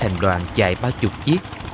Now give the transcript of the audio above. thành đoàn chạy bao chục chiếc